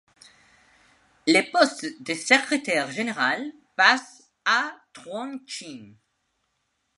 Le poste de secrétaire général passe à Truong Chinh.